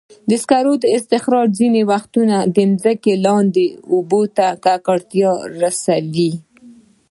د سکرو استخراج ځینې وختونه د ځمکې لاندې اوبو ته ککړتیا رسوي.